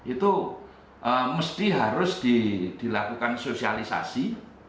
itu mesti harus dilakukan sosialisasi